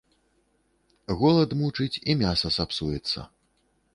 Голад мучыць, і мяса сапсуецца.